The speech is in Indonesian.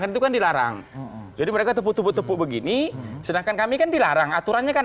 itu kan dilarang jadi mereka tepuk tepuk tepuk begini sedangkan kami kan dilarang aturannya kan